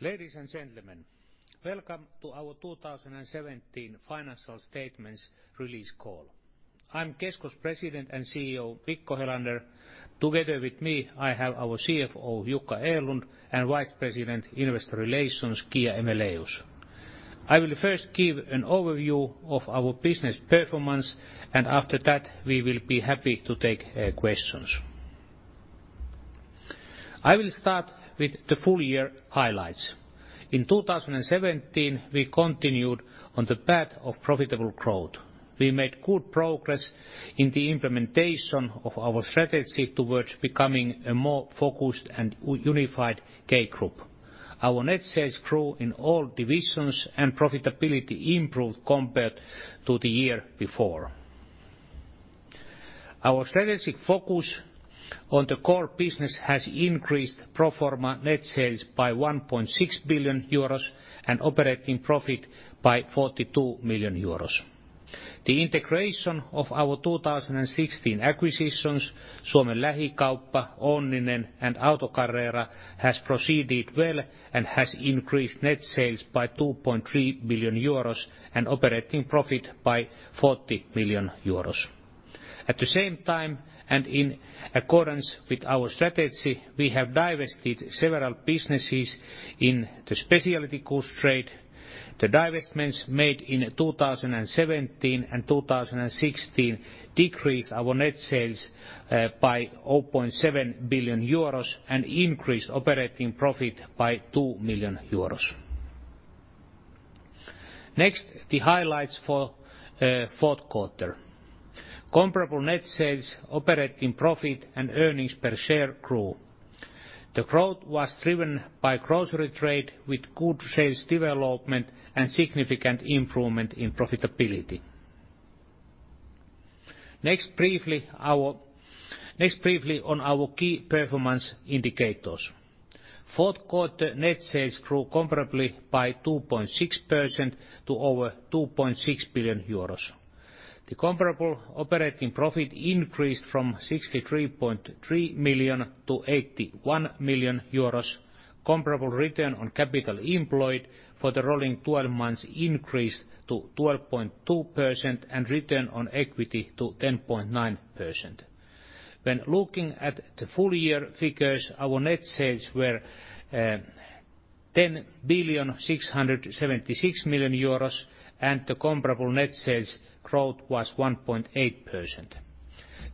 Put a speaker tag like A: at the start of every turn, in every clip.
A: Ladies and gentlemen, welcome to our 2017 financial statements release call. I'm Kesko's President and CEO, Mikko Helander. Together with me, I have our CFO, Jukka Erlund, and Vice President, Investor Relations, Kia Aejmelaeus. I will first give an overview of our business performance, and after that, we will be happy to take questions. I will start with the full year highlights. In 2017, we continued on the path of profitable growth. We made good progress in the implementation of our strategy towards becoming a more focused and unified K Group. Our net sales grew in all divisions, and profitability improved compared to the year before. Our strategic focus on the core business has increased pro forma net sales by 1.6 billion euros and operating profit by 42 million euros. The integration of our 2016 acquisitions, Suomen Lähikauppa, Onninen, and AutoCarrera, has proceeded well and has increased net sales by 2.3 billion euros and operating profit by 40 million euros. At the same time, and in accordance with our strategy, we have divested several businesses in the specialty goods trade. The divestments made in 2017 and 2016 decreased our net sales by 0.7 billion euros and increased operating profit by 2 million euros. The highlights for fourth quarter. Comparable net sales, operating profit, and earnings per share grew. The growth was driven by grocery trade with good sales development and significant improvement in profitability. Briefly on our key performance indicators. Fourth quarter net sales grew comparably by 2.6% to over 2.6 billion euros. The comparable operating profit increased from 63.3 million to 81 million euros. Comparable return on capital employed for the rolling 12 months increased to 12.2% and return on equity to 10.9%. When looking at the full year figures, our net sales were 10,676 million euros and the comparable net sales growth was 1.8%.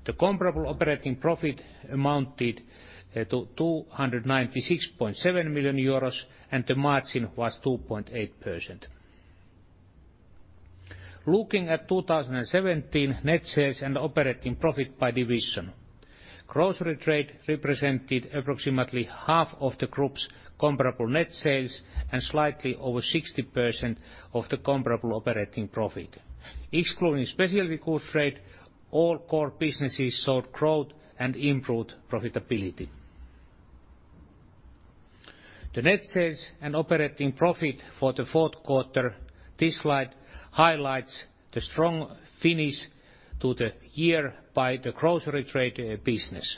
A: The comparable operating profit amounted to 296.7 million euros and the margin was 2.8%. Looking at 2017 net sales and operating profit by division. Grocery trade represented approximately half of the group's comparable net sales and slightly over 60% of the comparable operating profit. Excluding specialty goods trade, all core businesses saw growth and improved profitability. The net sales and operating profit for the fourth quarter. This slide highlights the strong finish to the year by the grocery trade business.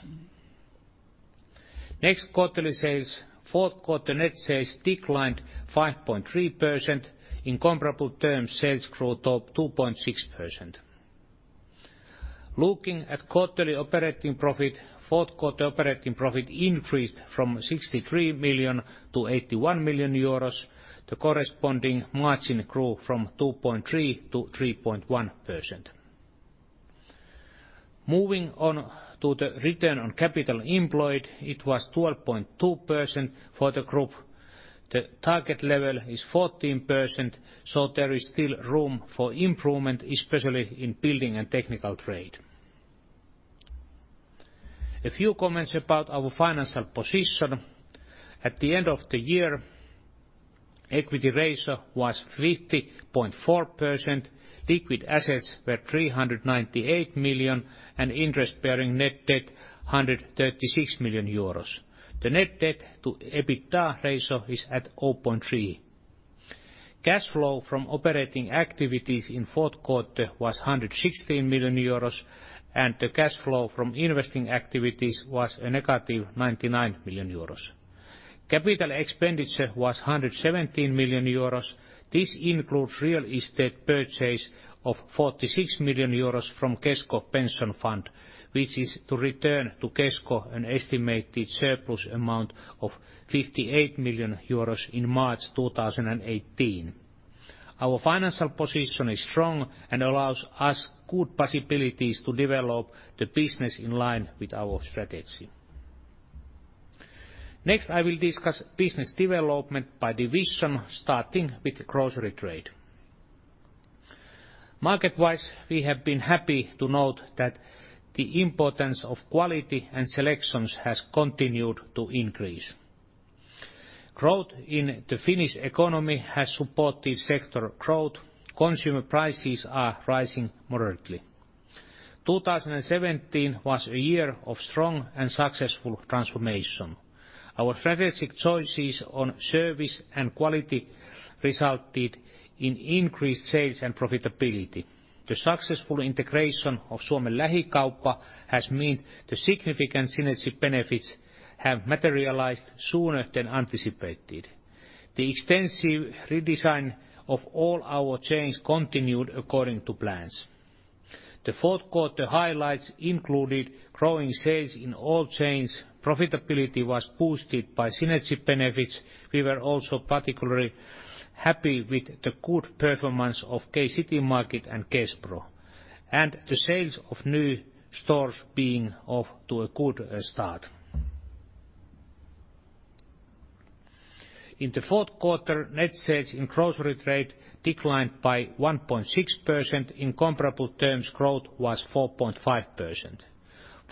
A: Quarterly sales. Fourth quarter net sales declined 5.3%. In comparable terms, sales grew to 2.6%. Looking at quarterly operating profit, fourth quarter operating profit increased from 63 million to 81 million euros. The corresponding margin grew from 2.3%-3.1%. Moving on to the return on capital employed, it was 12.2% for the group. The target level is 14%, so there is still room for improvement, especially in Building and Technical Trade. A few comments about our financial position. At the end of the year, equity ratio was 50.4%, liquid assets were 398 million, and interest bearing net debt, 136 million euros. The net debt to EBITDA ratio is at 0.3. Cash flow from operating activities in fourth quarter was 116 million euros, and the cash flow from investing activities was a negative 99 million euros. Capital expenditure was 117 million euros. This includes real estate purchase of 46 million euros from Kesko Pension Fund, which is to return to Kesko an estimated surplus amount of 58 million euros in March 2018. Our financial position is strong and allows us good possibilities to develop the business in line with our strategy. I will discuss business development by division starting with grocery trade. Market-wise, we have been happy to note that the importance of quality and selections has continued to increase. Growth in the Finnish economy has supported sector growth. Consumer prices are rising moderately. 2017 was a year of strong and successful transformation. Our strategic choices on service and quality resulted in increased sales and profitability. The successful integration of Suomen Lähikauppa has meant the significant synergy benefits have materialized sooner than anticipated. The extensive redesign of all our chains continued according to plans. The fourth quarter highlights included growing sales in all chains. Profitability was boosted by synergy benefits. We were also particularly happy with the good performance of K-Citymarket and K-Pro, and the sales of new stores being off to a good start. In the fourth quarter, net sales in grocery trade declined by 1.6%. In comparable terms, growth was 4.5%.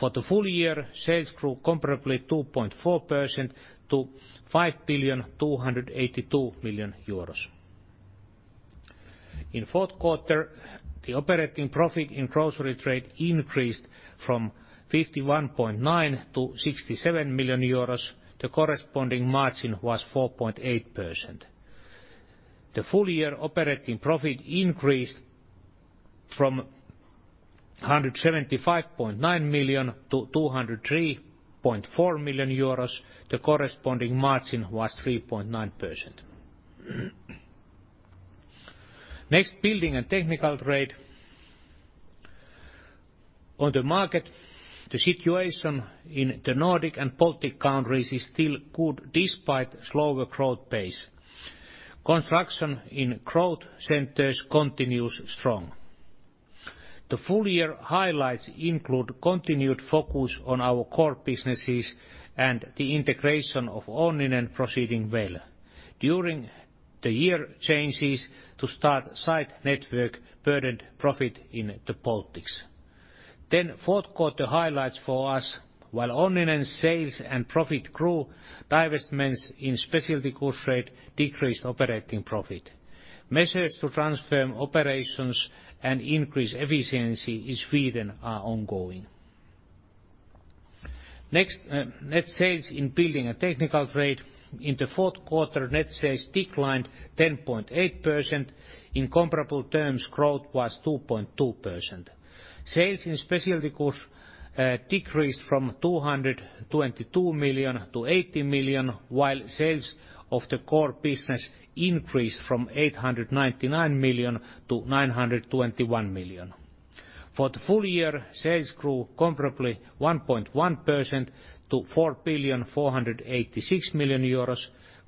A: For the full year, sales grew comparably 2.4% to EUR 5.282 billion. In fourth quarter, the operating profit in grocery trade increased from 51.9 million to 67 million euros. The corresponding margin was 4.8%. The full year operating profit increased from 175.9 million to 203.4 million euros. The corresponding margin was 3.9%. Building and Technical Trade. On the market, the situation in the Nordic and Baltic countries is still good despite slower growth pace. Construction in growth centers continues strong. The full year highlights include continued focus on our core businesses and the integration of Onninen proceeding well. During the year, changes to store site network burdened profit in the Baltics. Fourth quarter highlights for us. While Onninen sales and profit grew, divestments in specialty goods trade decreased operating profit. Measures to transform operations and increase efficiency in Sweden are ongoing. Net sales in Building and Technical Trade. In the fourth quarter, net sales declined 10.8%. In comparable terms, growth was 2.2%. Sales in specialty goods decreased from 222 million to 80 million, while sales of the core business increased from 899 million to 921 million. For the full year, sales grew comparably 1.1% to 4.486 billion euros.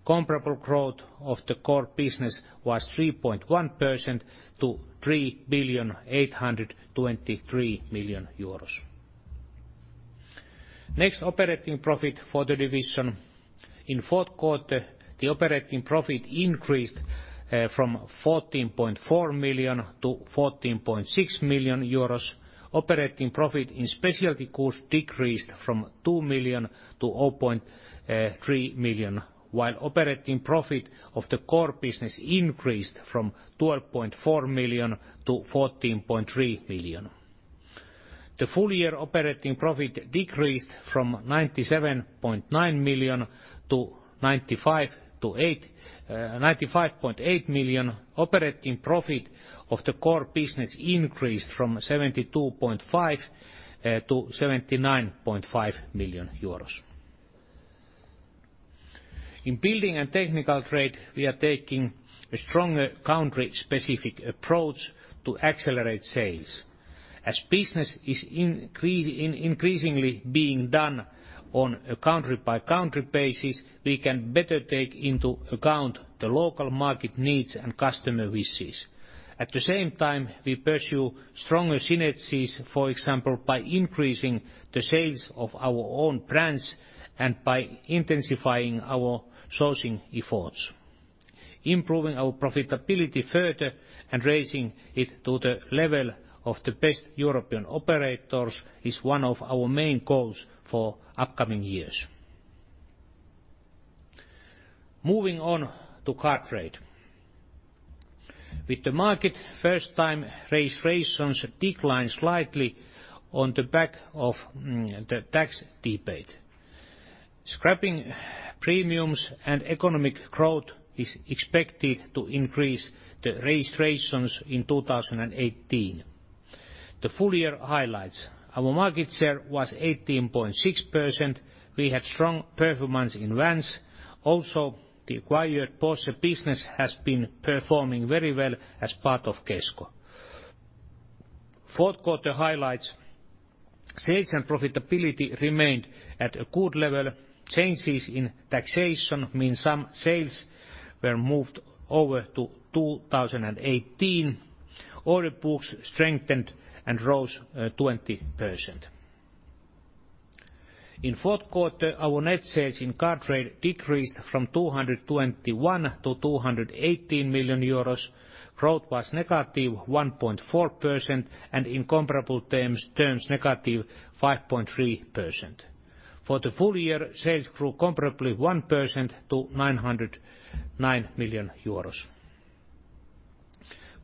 A: Comparable growth of the core business was 3.1% to EUR 3.823 billion. Operating profit for the division. In fourth quarter, the operating profit increased from 14.4 million to 14.6 million euros. Operating profit in specialty goods decreased from 2 million to 0.3 million, while operating profit of the core business increased from 12.4 million to 14.3 million. The full year operating profit decreased from 97.9 million to 95.8 million. Operating profit of the core business increased from 72.5 million to 79.5 million euros. In Building and Technical Trade, we are taking a stronger country-specific approach to accelerate sales. As business is increasingly being done on a country-by-country basis, we can better take into account the local market needs and customer wishes. At the same time, we pursue stronger synergies, for example, by increasing the sales of our own brands and by intensifying our sourcing efforts. Improving our profitability further and raising it to the level of the best European operators is one of our main goals for upcoming years. Moving on to car trade. With the market first-time registrations declined slightly on the back of the tax debate. Scrapping premiums and economic growth is expected to increase the registrations in 2018. The full year highlights: Our market share was 18.6%. The acquired Porsche business has been performing very well as part of Kesko. Fourth quarter highlights: Sales and profitability remained at a good level. Changes in taxation mean some sales were moved over to 2018. Order books strengthened and rose 20%. In fourth quarter, our net sales in car trade decreased from 221 million to 218 million euros. Growth was -1.4% and in comparable terms, -5.3%. For the full year, sales grew comparably 1% to EUR 909 million.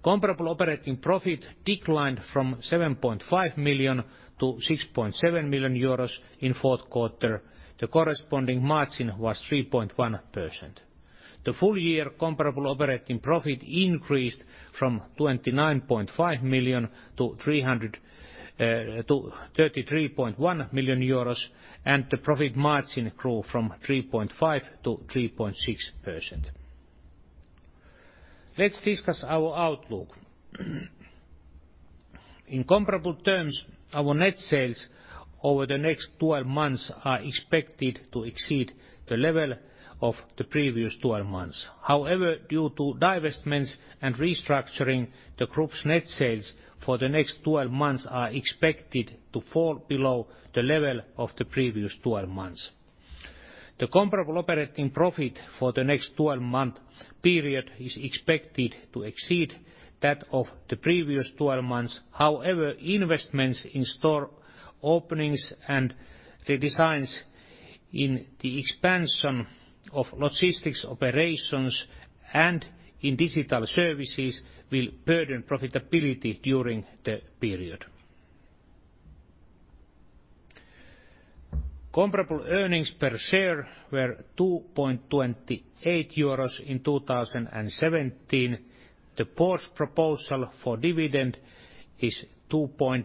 A: Comparable operating profit declined from 7.5 million to 6.7 million euros in fourth quarter. The corresponding margin was 3.1%. The full year comparable operating profit increased from 29.5 million to 33.1 million euros, and the profit margin grew from 3.5% to 3.6%. Let's discuss our outlook. In comparable terms, our net sales over the next 12 months are expected to exceed the level of the previous 12 months. However, due to divestments and restructuring, the group's net sales for the next 12 months are expected to fall below the level of the previous 12 months. The comparable operating profit for the next 12-month period is expected to exceed that of the previous 12 months. However, investments in store openings and redesigns in the expansion of logistics operations and in digital services will burden profitability during the period. Comparable earnings per share were 2.28 euros in 2017. The board's proposal for dividend is EUR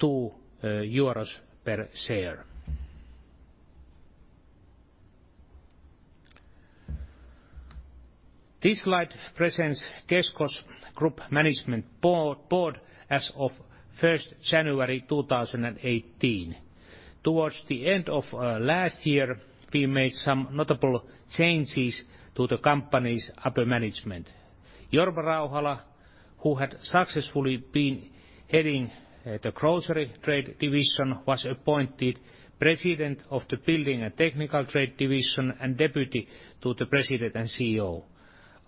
A: 2.20 per share. This slide presents Kesko's Group Management Board as of 1st January 2018. Towards the end of last year, we made some notable changes to the company's upper management. Jorma Rauhala, who had successfully been heading the Grocery Trade Division, was appointed President of the Building and Technical Trade Division and Deputy to the President and CEO.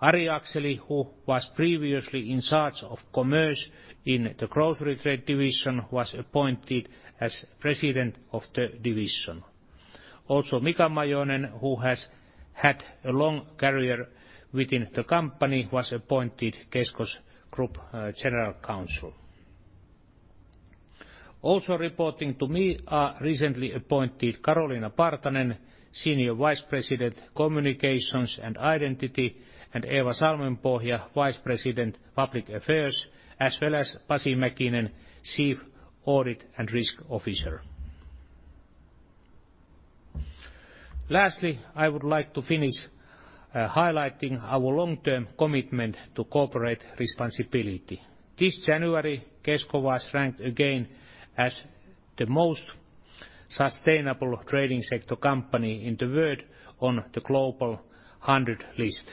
A: Ari Akseli, who was previously in charge of commerce in the Grocery Trade Division, was appointed as President of the Division. Mika Majoinen, who has had a long career within the company, was appointed Kesko's Group General Counsel. Reporting to me are recently appointed Karoliina Partanen, Senior Vice President, Communications and Identity, and Eeva Salmenpohja, Vice President, Public Affairs, as well as Pasi Mäkinen, Chief Audit and Risk Officer. Lastly, I would like to finish highlighting our long-term commitment to corporate responsibility. This January, Kesko was ranked again as the most sustainable trading sector company in the world on the Global 100 list.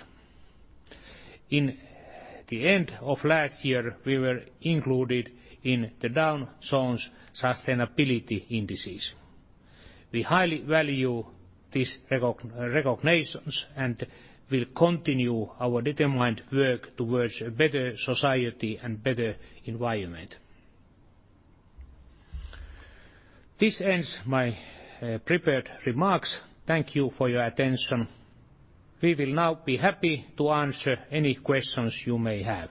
A: In the end of last year, we were included in the Dow Jones Sustainability Indices. We highly value these recognitions and will continue our determined work towards a better society and better environment. This ends my prepared remarks. Thank you for your attention. We will now be happy to answer any questions you may have.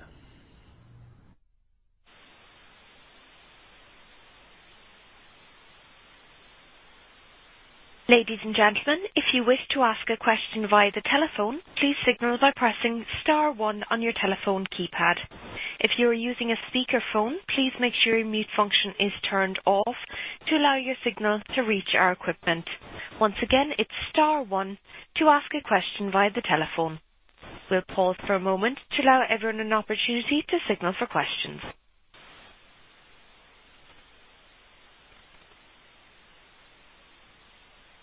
B: Ladies and gentlemen, if you wish to ask a question via the telephone, please signal by pressing star one on your telephone keypad. If you are using a speakerphone, please make sure your mute function is turned off to allow your signal to reach our equipment. Once again, it's star one to ask a question via the telephone. We'll pause for a moment to allow everyone an opportunity to signal for questions.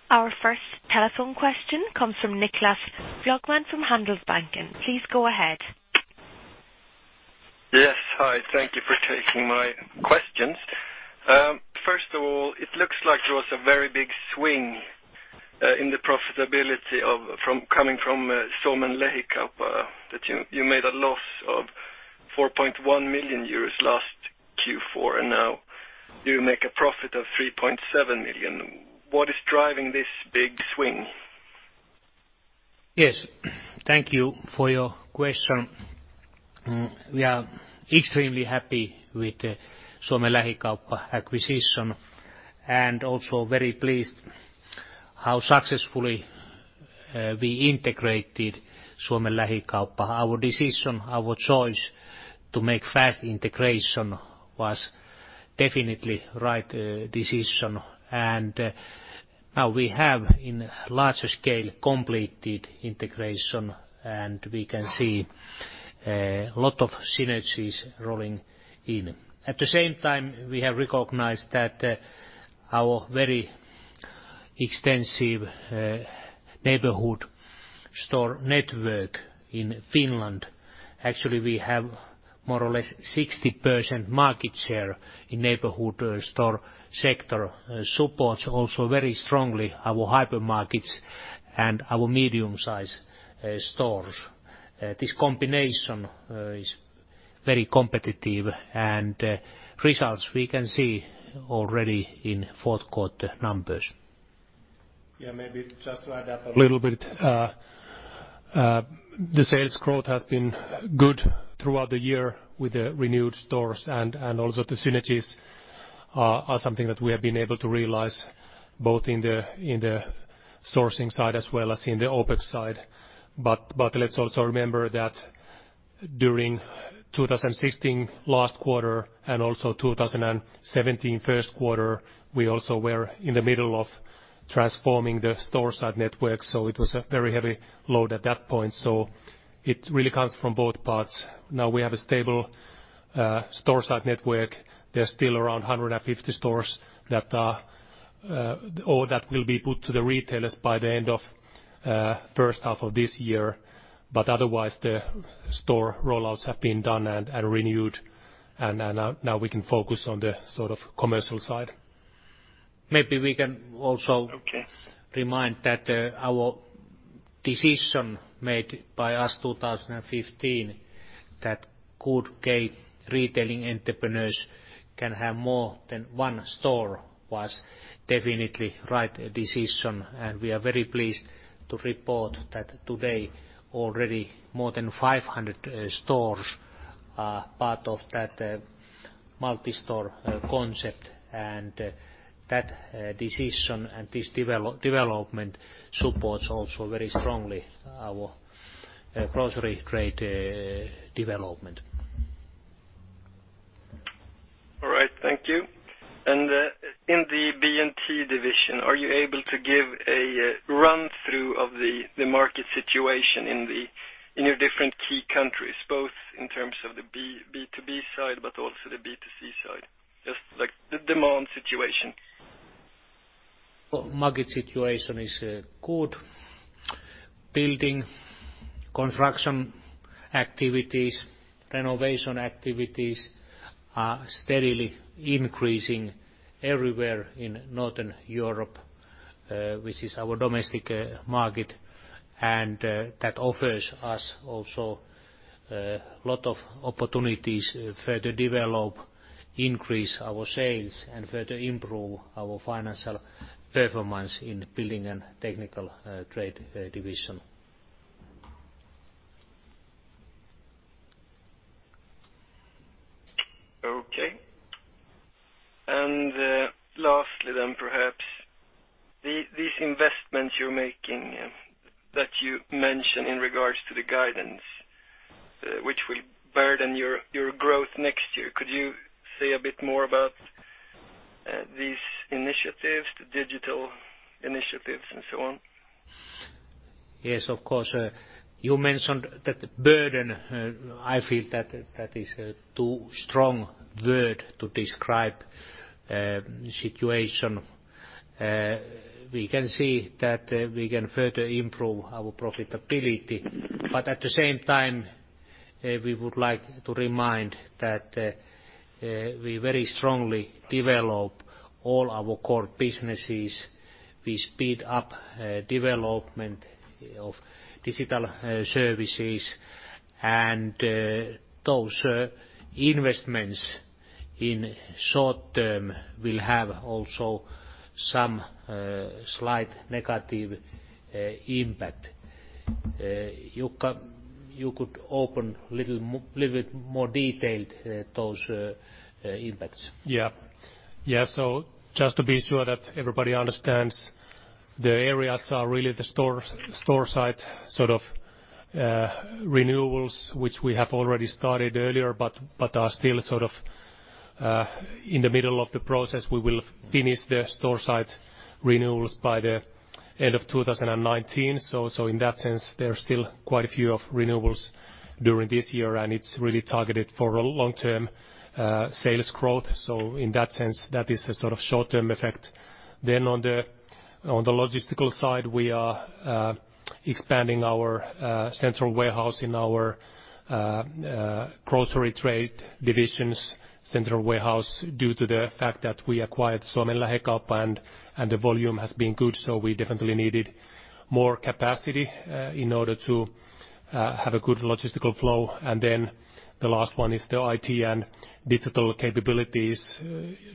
B: Our first telephone question comes from Niklas Björkman from Handelsbanken. Please go ahead.
C: Yes. Hi. Thank you for taking my questions. First of all, it looks like there was a very big swing in the profitability coming from Suomen Lähikauppa. Now you made a loss of 4.1 million euros last Q4, and now you make a profit of 3.7 million. What is driving this big swing?
A: Yes. Thank you for your question. We are extremely happy with the Suomen Lähikauppa acquisition. Also very pleased how successfully we integrated Suomen Lähikauppa. Our decision, our choice to make fast integration was definitely right decision. Now we have in larger scale completed integration. We can see a lot of synergies rolling in. At the same time, we have recognized that our very extensive neighborhood store network in Finland, actually, we have more or less 60% market share in neighborhood store sector, supports also very strongly our hypermarkets and our medium size stores. This combination is very competitive. Results we can see already in fourth quarter numbers.
D: Maybe just to add up a little bit. The sales growth has been good throughout the year with the renewed stores. Also the synergies are something that we have been able to realize both in the sourcing side as well as in the OpEx side. Let's also remember that during 2016 last quarter and also 2017 first quarter, we also were in the middle of transforming the store site network. It was a very heavy load at that point. It really comes from both parts. Now we have a stable store site network. There's still around 150 stores that are, or that will be put to the retailers by the end of first half of this year. Otherwise the store rollouts have been done and renewed. Now we can focus on the commercial side.
A: Maybe we can.
C: Okay
A: remind that our decision made by us 2015 that good K-retailing entrepreneurs can have more than one store was definitely right decision. We are very pleased to report that today already more than 500 stores are part of that multi-store concept and that decision and this development supports also very strongly our grocery trade development.
C: All right. Thank you. In the B&T division, are you able to give a run through of the market situation in your different key countries, both in terms of the B2B side, but also the B2C side, just like the demand situation?
A: Market situation is good. Building, construction activities, renovation activities are steadily increasing everywhere in Northern Europe, which is our domestic market, that offers us also a lot of opportunities to further develop, increase our sales, and further improve our financial performance in Building and Technical Trade Division.
C: Lastly then perhaps, these investments you're making that you mention in regards to the guidance, which will burden your growth next year? Could you say a bit more about these initiatives, the digital initiatives and so on?
A: Yes, of course. You mentioned that burden. I feel that is too strong word to describe situation. We can see that we can further improve our profitability, but at the same time, we would like to remind that we very strongly develop all our core businesses. We speed up development of digital services and those investments in short term will have also some slight negative impact. Jukka, you could open little bit more detailed those impacts.
D: Yeah. Just to be sure that everybody understands, the areas are really the store site sort of renewals, which we have already started earlier, but are still sort of in the middle of the process. We will finish the store site renewals by the end of 2019. In that sense, there are still quite a few of renewals during this year, it's really targeted for long-term sales growth. In that sense, that is a sort of short-term effect. On the logistical side, we are expanding our central warehouse in our grocery trade divisions central warehouse due to the fact that we acquired Suomen Lähikauppa and the volume has been good, so we definitely needed more capacity in order to have a good logistical flow. The last one is the IT and digital capabilities.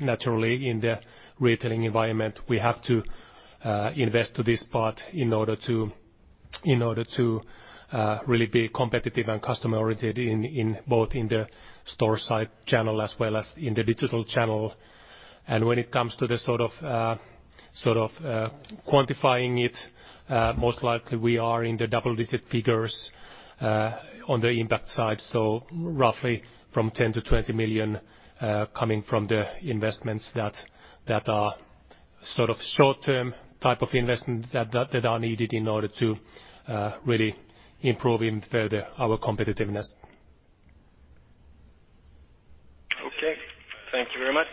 D: Naturally in the retailing environment, we have to invest to this part in order to really be competitive and customer oriented in both in the store site channel as well as in the digital channel. When it comes to the sort of quantifying it, most likely we are in the double-digit figures on the impact side, so roughly from 10 million-20 million coming from the investments that are sort of short-term type of investments that are needed in order to really improve even further our competitiveness.
C: Okay. Thank you very much.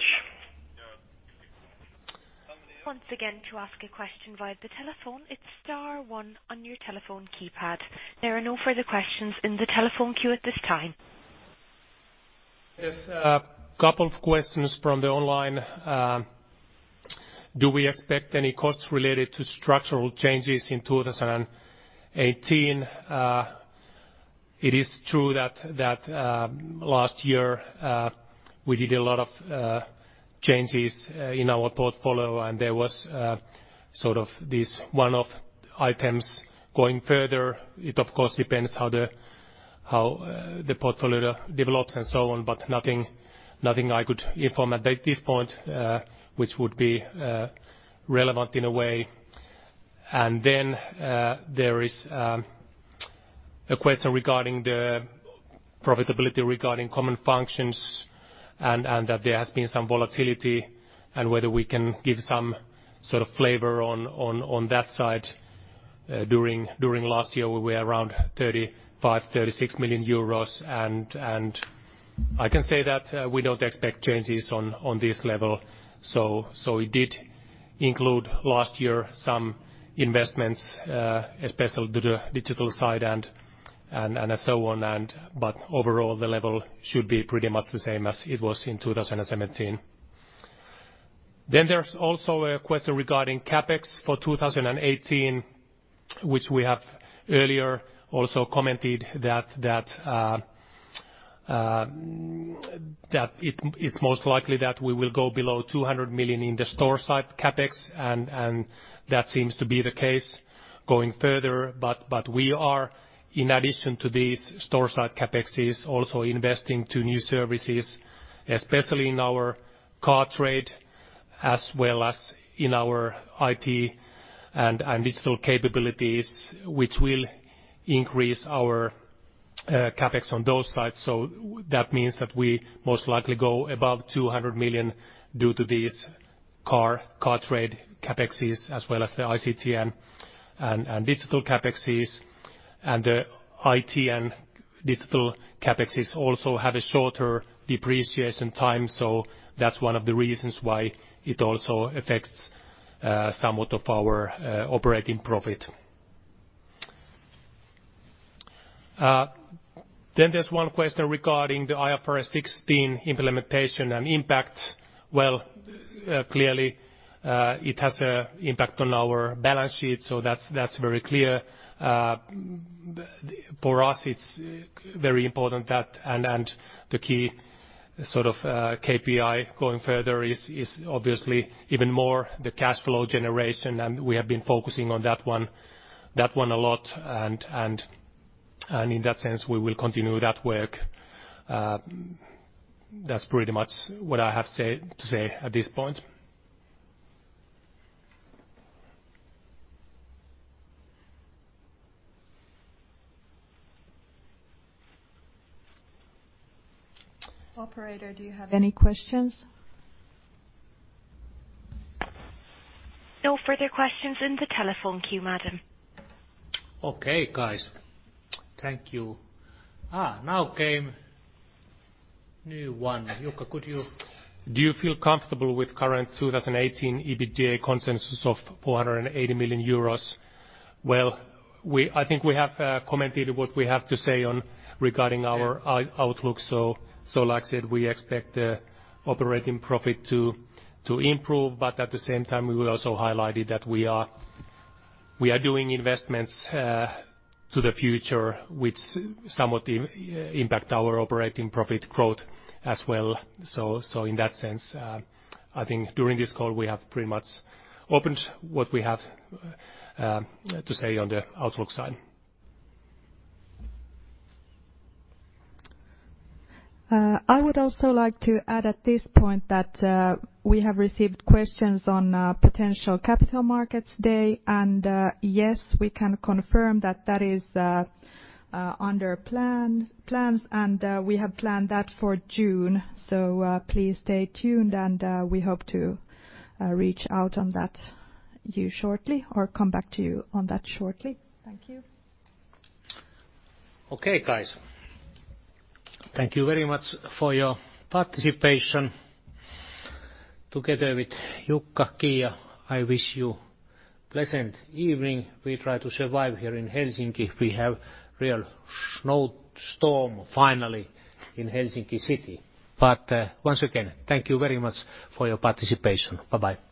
B: Once again, to ask a question via the telephone, it's star one on your telephone keypad. There are no further questions in the telephone queue at this time.
D: There's a couple of questions from the online. Do we expect any costs related to structural changes in 2018? It is true that last year we did a lot of changes in our portfolio and there was these one-off items going further. It, of course, depends how the portfolio develops and so on, but nothing I could inform at this point which would be relevant in a way. There is a question regarding the profitability regarding common functions and that there has been some volatility and whether we can give some sort of flavor on that side. During last year, we were around 35 million, 36 million euros, and I can say that we don't expect changes on this level. We did include last year some investments, especially to the digital side and so on. Overall, the level should be pretty much the same as it was in 2017. There's also a question regarding CapEx for 2018, which we have earlier also commented that it's most likely that we will go below 200 million in the store site CapEx, and that seems to be the case going further. We are, in addition to these store site CapEx, also investing to new services, especially in our car trade as well as in our IT and digital capabilities, which will increase our CapEx on those sides. That means that we most likely go above 200 million due to these car trade CapEx, as well as the ICT and digital CapEx. The IT and digital CapEx also have a shorter depreciation time, so that's one of the reasons why it also affects somewhat of our operating profit. There's one question regarding the IFRS 16 implementation and impact. Well, clearly it has an impact on our balance sheet, so that's very clear. For us, it's very important and the key KPI going further is obviously even more the cash flow generation, and we have been focusing on that one a lot, and in that sense, we will continue that work. That's pretty much what I have to say at this point.
E: Operator, do you have any questions?
B: No further questions in the telephone queue, madam.
A: Okay, guys. Thank you. Now came new one. Jukka, could you-
D: Do you feel comfortable with current 2018 EBITDA consensus of 480 million euros? I think we have commented what we have to say regarding our outlook. Like I said, we expect the operating profit to improve. At the same time, we will also highlight it that we are doing investments to the future, which somewhat impact our operating profit growth as well. In that sense, I think during this call we have pretty much opened what we have to say on the outlook side.
E: I would also like to add at this point that we have received questions on potential capital markets day. Yes, we can confirm that that is under plans. We have planned that for June. Please stay tuned. We hope to reach out on that to you shortly or come back to you on that shortly. Thank you.
A: Okay, guys. Thank you very much for your participation. Together with Jukka, Kia, I wish you pleasant evening. We try to survive here in Helsinki. We have real snow storm finally in Helsinki city. Once again, thank you very much for your participation. Bye-bye.